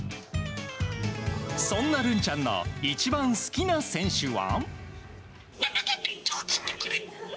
そんなるんちゃんの一番好きな選手は？